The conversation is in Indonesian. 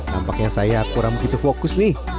nampaknya saya kurang begitu fokus nih